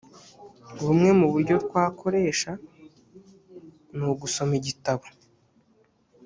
bumwe mu buryo twakoresha ni ugusoma igitabo